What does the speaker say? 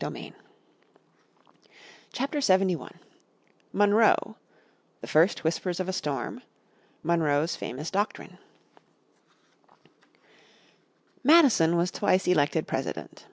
__________ Chapter 71 Monroe The First Whispers of a Storm Monroe's Famous Doctrine Madison was twice elected President.